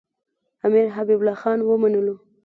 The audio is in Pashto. امیر حبیب الله خان ومنلو.